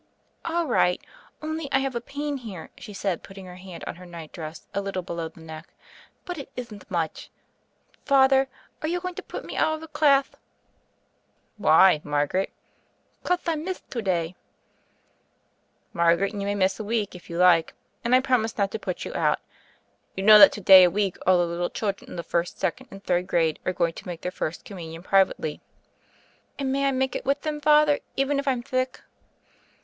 "All right; only I have a pain here," she said, putting her hand on her night dress a little be low the neck. "But it ithn't much. Father : arc you going to put me out of the clath?" "Why, Margaret?" "Coth I mithed to day?" THE FAIRY OF THE SNOWS loj ^'Margaret, you may miss a week, if you like; and I promise not to put you out. You know that to day a week all the little children of the first, second, and third grade are eoing to make their First Communion privately. "And may I make it with them. Father, even if Fm thick?"